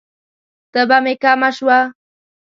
تبه می کمه شوه؟